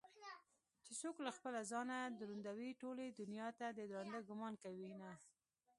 چې څوك له خپله ځانه دروندوي ټولې دنياته ددراندۀ ګومان كوينه